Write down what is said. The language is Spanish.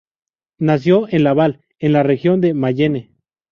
Nació en Laval, en la región de Mayenne.